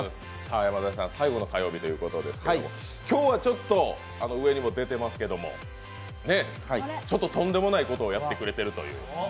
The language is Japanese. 山添さん、最後の火曜日ということですけれども、今日は上にも出ていますけれども、とんでもないことをやってくれてるという。